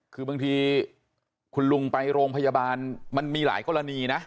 คือบางทีคุณลุงไปโรงพยาบาลมันมีหลายกรณีนะ